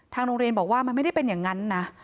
โรงเรียนบอกว่ามันไม่ได้เป็นอย่างนั้นนะ